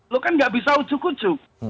loh kan nggak bisa ucuk ucuk